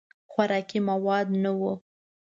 خوراکي مواد نه وو.